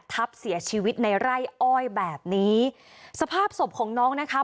ทับเสียชีวิตในไร่อ้อยแบบนี้สภาพศพของน้องนะคะ